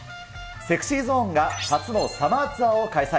ＳｅｘｙＺｏｎｅが初のサマーツアーを開催。